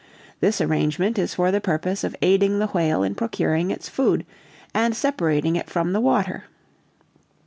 This arrangement is for the purpose of aiding the whale in procuring its food, and separating it from the water.